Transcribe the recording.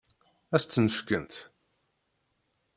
Ad s-ten-fkent?